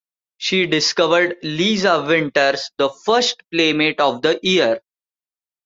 She discovered Lisa Winters, the first Playmate of the Year.